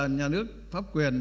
nhà nước pháp quyền